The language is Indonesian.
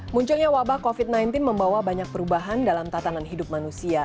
munculnya wabah covid sembilan belas membawa banyak perubahan dalam tatanan hidup manusia